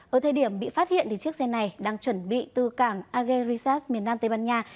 ở thời điểm bị phát hiện chiếc xe này đang chuẩn bị từ cảng ager risas miền nam tây ban nha